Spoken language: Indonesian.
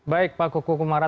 baik pak koko kumara